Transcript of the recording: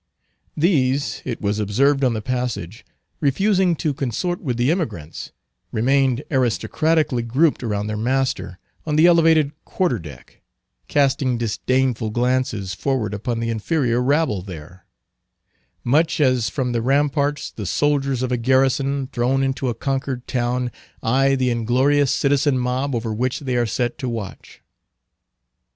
These, it was observed on the passage, refusing to consort with the emigrants, remained aristocratically grouped around their master on the elevated quarter deck, casting disdainful glances forward upon the inferior rabble there; much as, from the ramparts, the soldiers of a garrison, thrown into a conquered town, eye the inglorious citizen mob over which they are set to watch.